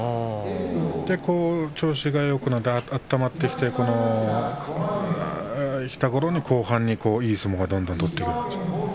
調子がよくなって温まってきたころに後半にいい相撲をどんどん取るんです。